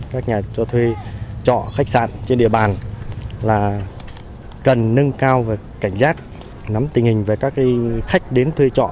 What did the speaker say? các nhà cho thuê trọ khách sạn trên địa bàn là cần nâng cao cảnh giác nắm tình hình về các khách đến thuê trọ